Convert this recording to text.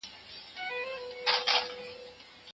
هغه کسان چي ځان ښودنه کوي یوازي تش نوم غواړي.